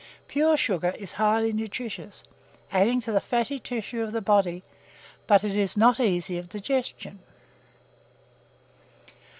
Pure sugar is highly nutritious, adding to the fatty tissue of the body; but it is not easy of digestion.